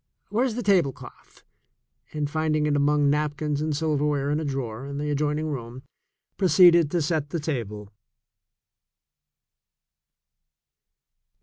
Where's the tablecloth?" and find ing it among napkins and silverware in a drawer in the adjoining room, proceeded to set the table.